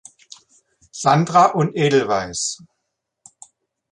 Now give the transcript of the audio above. Sandra und „Edelweiss“.